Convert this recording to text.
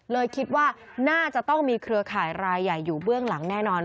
คิดว่าน่าจะต้องมีเครือข่ายรายใหญ่อยู่เบื้องหลังแน่นอน